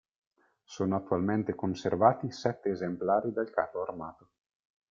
Sono attualmente conservati sette esemplari del carro armato.